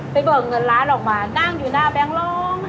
เบิกเงินล้านออกมานั่งอยู่หน้าแบงค์ร้อง